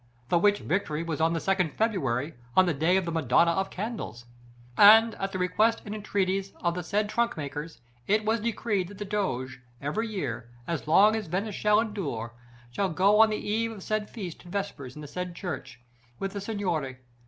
The which victory was on the 2nd February, on the day of the Madonna of candles. And at the request and entreaties of the said trunkmakers, it was decreed that the Doge, every year, as long as Venice shall endure, should go on the eve of the said feast to vespers in the said church, with the Signory.